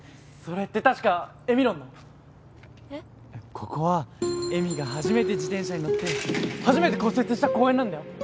ここは恵美が初めて自転車に乗って初めて骨折した公園なんだよ。